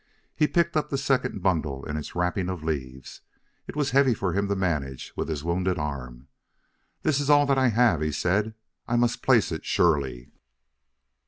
He picked up the second bundle in its wrapping of leaves; it was heavy for him to manage with his wounded arm. "This is all that I have," he said! "I must place it surely.